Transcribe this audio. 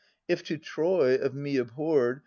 If to Troy, of me abhorred.